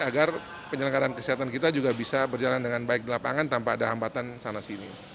agar penyelenggaraan kesehatan kita juga bisa berjalan dengan baik di lapangan tanpa ada hambatan sana sini